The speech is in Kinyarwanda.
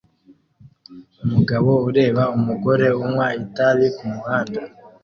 Umugabo ureba umugore unywa itabi kumuhanda